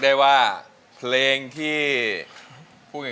อันดับนี้เป็นแบบนี้